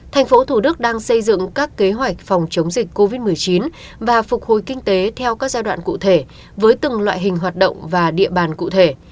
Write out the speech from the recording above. thành phố thủ đức đang xây dựng các kế hoạch phòng chống dịch covid một mươi chín và phục hồi kinh tế theo các giai đoạn cụ thể với từng loại hình hoạt động và địa bàn cụ thể